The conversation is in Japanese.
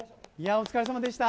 お疲れさまでした。